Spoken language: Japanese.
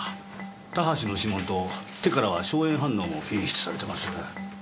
田橋の指紋と手からは硝煙反応も検出されてます。